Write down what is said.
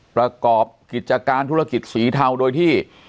ประกอบกิจการธุรกิจสีเทาโดยที่